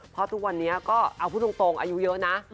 เพราะทุกวันนี้ก็เอาพูดตรงอายุเยอะนะ